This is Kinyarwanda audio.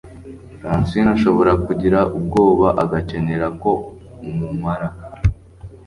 francine ashobora kugira ubwoba agakenera ko umumara